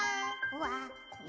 「わ！」